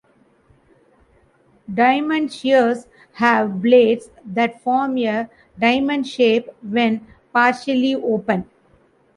Diamond shears have blades that form a diamond shape when partially open.